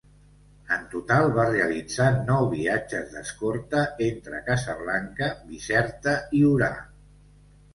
En total va realitzar nou viatges d'escorta entre Casablanca, Bizerta i Orà.